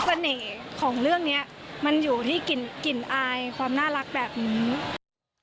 เสน่ห์ของเรื่องเนี้ยมันอยู่ที่กลิ่นอายความน่ารักแบบนี้